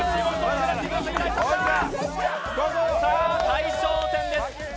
大将戦です。